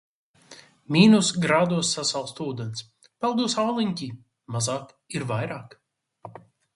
Mīnus grādos sasalst ūdens. Peldos āliņģī. Mazāk ir vairāk.